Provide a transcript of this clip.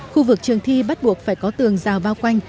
khu vực trường thi bắt buộc phải có tường rào bao quanh